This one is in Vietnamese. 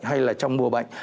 hay là trong mùa bệnh